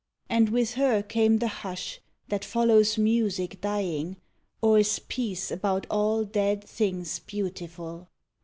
And with her came the hush That follows music dying, or is peace About all dead things beautiful.